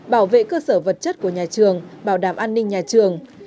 bảo vệ cơ sở vật chất của nhà trường bảo đảm an ninh nhà trường